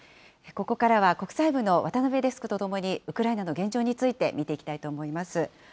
ここからは国際部の渡辺デスクとともに、ウクライナの現状について見ていきたいと思います。